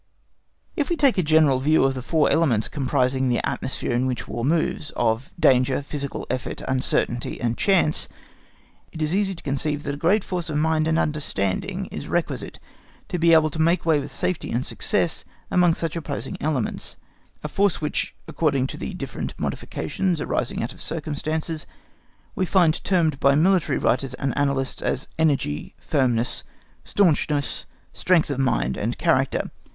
If we take a general view of the four elements composing the atmosphere in which War moves, of danger, physical effort, uncertainty, and chance, it is easy to conceive that a great force of mind and understanding is requisite to be able to make way with safety and success amongst such opposing elements, a force which, according to the different modifications arising out of circumstances, we find termed by military writers and annalists as energy, firmness, staunchness, strength of mind and character.